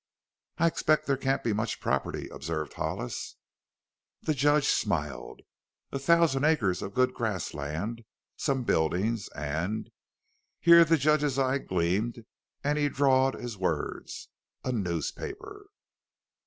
"I expect there can't be much property," observed Hollis. The judge smiled. "A thousand acres of good grass land, some buildings, and" here the judge's eyes gleamed and he drawled his words "a newspaper."